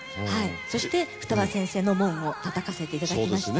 そして二葉先生の門をたたかせていただきました。